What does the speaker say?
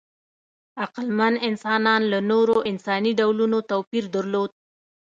عقلمن انسانان له نورو انساني ډولونو توپیر درلود.